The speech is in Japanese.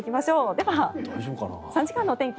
では、３時間のお天気